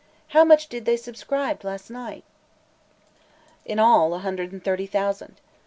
How much did they subscribe last night?" "In all, a hundred and thirty thousand.